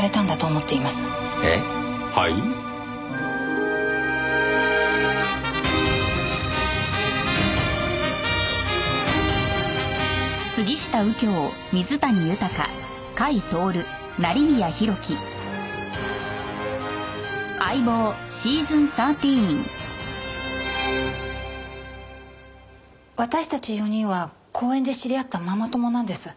私たち４人は公園で知り合ったママ友なんです。